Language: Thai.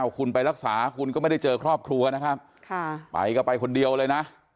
คุณไปรักษาคุณก็ไม่ได้เจอครอบครัวนะครับไปก็ไปคนเดียวเลยนะ